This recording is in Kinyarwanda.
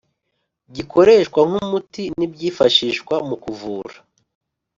Gikoreshwa nk’umuti n’ibyifashishwa mu kuvura